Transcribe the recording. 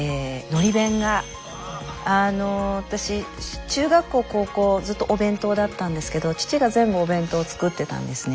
私中学校高校ずっとお弁当だったんですけど父が全部お弁当作ってたんですね。